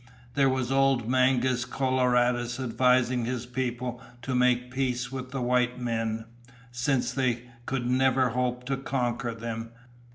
There was old Mangus Coloradus advising his people to make peace with the white men, since they could never hope to conquer them.